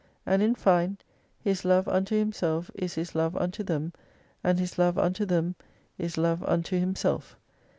And in fine, His love unto Himself is His love unto them, and His love unto them is love unto Himself.